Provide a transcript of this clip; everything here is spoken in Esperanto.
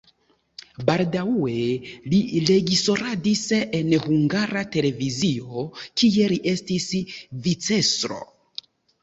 Baldaŭe li reĝisoradis en Hungara Televizio, kie li estis vicestro.